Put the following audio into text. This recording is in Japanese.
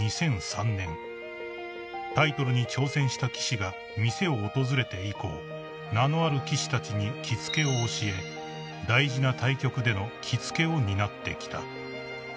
［タイトルに挑戦した棋士が店を訪れて以降名のある棋士たちに着付けを教え大事な対局での着付けを担ってきた］